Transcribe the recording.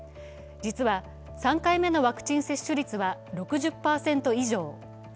実は３回目のワクチン接種率は６０％以上。